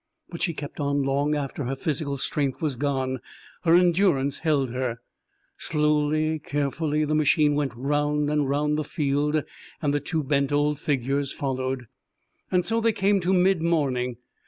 But she kept on long after her physical strength was gone; her endurance held her. Slowly, carefully, the machine went round and round the field, and the two bent old figures followed. And so they came to mid morning.